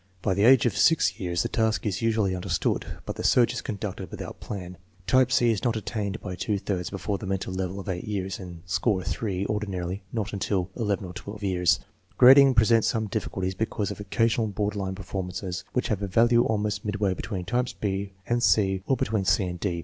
By the age of 6 years the task is usually understood, but the search is conducted without plan. Type c is not attained by two thirds before the mental level of 8 years, and score 3 ordinarily not until 11 or 12 years. Grading presents some difficulties because of occasional border line performances which have a value almost mid way between types b and c or between c and d.